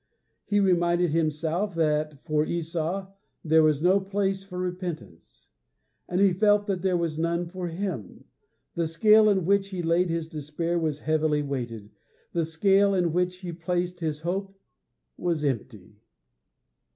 He reminded himself that, for Esau, there was no place for repentance; and he felt that there was none for him. The scale in which he laid his despair was heavily weighted; the scale in which he placed his hope was empty!